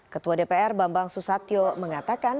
ketua dpr bambang susatyo mengatakan